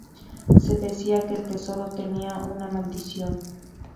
Se decía que el tesoro tenía una maldición.